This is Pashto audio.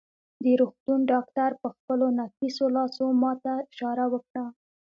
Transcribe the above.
د روغتون ډاکټر په خپلو نفیسو لاسو ما ته اشاره وکړه.